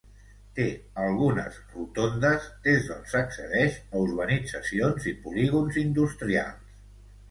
Té algunes rotondes des d'on s'accedeix a urbanitzacions i polígons industrials.